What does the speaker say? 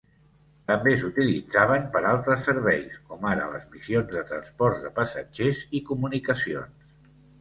També s'utilitzaven per altres serveis, com ara les missions de transport de passatgers i comunicacions.